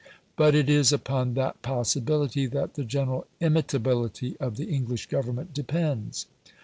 But it is upon that possibility that the general imitability of the English Government depends.